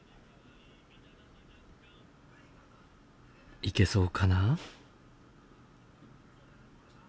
行けそうかな？